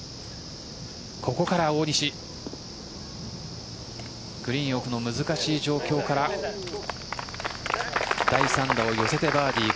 ここから大西グリーン奥の難しい状況から第３打を寄せてバーディー。